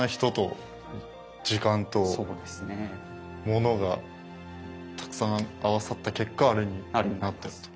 ものがたくさん合わさった結果あれになっていると。